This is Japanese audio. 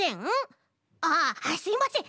あっすいません！